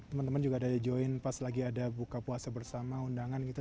teman teman juga ada join pas lagi ada buka puasa bersama undangan gitu